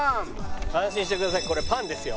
安心してくださいこれパンですよ。